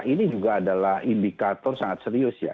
ini juga adalah indikator sangat serius ya